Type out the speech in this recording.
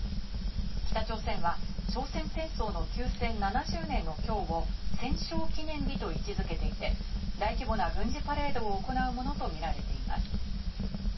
北朝鮮は朝鮮戦争の休戦７０年のきょうを戦勝記念日と位置付けていて、大規模な軍事パレードを行うものと見られています。